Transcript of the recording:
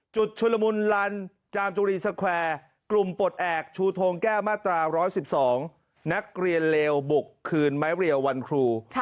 จุดชุดละมุนลันจามจุรีสเกวร์